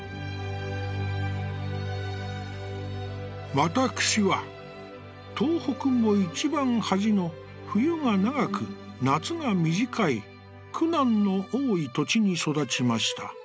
「わたくしは、東北も一番はじの冬が長く夏が短い、苦難の多い土地に育ちました。